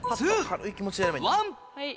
軽い気持ちでやればいい。